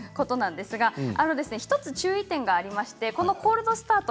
１つ注意点がありましてこのコールドスタート